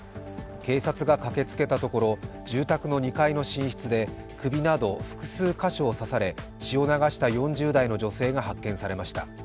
警察が駆けつけたところ、住宅の２階の寝室で首など複数箇所を刺され血を流した４０代の女性が発見されました。